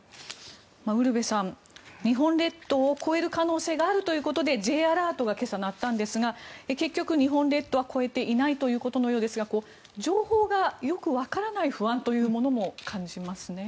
ウルヴェさん、日本列島を越える可能性があるということでＪアラートが今朝、鳴ったんですが結局日本列島は越えていないということのようですが情報がよくわからない不安というのも感じますね。